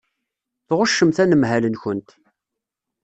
Tɣuccemt anemhal-nkent.